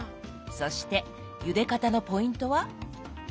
そしてゆで方のポイントは？